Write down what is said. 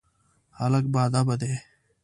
هلک باادبه دی.